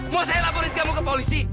mau saya laporin kamu ke polisi